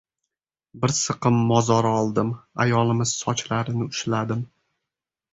Bir siqim mozor oldim — ayolimiz sochlarini ushladim...